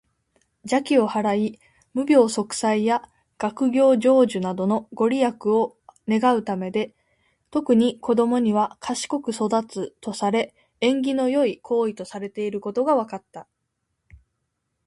邪気を払い、無病息災や学業成就などのご利益を願うためで、特に子どもには「賢く育つ」とされ、縁起の良い行為とされていることが分かった。